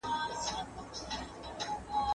هغه لیکوالان چي زېږون یې روښانه نه دی باید وڅېړل سي.